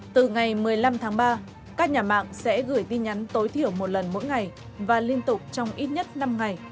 từ ngày một mươi năm tháng ba các nhà mạng sẽ gửi tin nhắn tối thiểu một lần mỗi ngày và liên tục trong ít nhất năm ngày